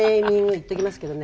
言っときますけどね